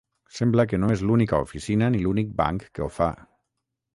Sembla que no és l’única oficina ni l’únic banc que ho fa.